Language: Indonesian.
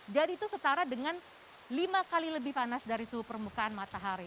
jadi itu setara dengan lima kali lebih panas dari suhu permukaan matahari